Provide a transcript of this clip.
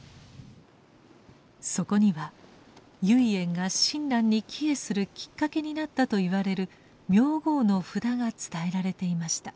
そこには唯円が親鸞に帰依するきっかけになったといわれる名号の札が伝えられていました。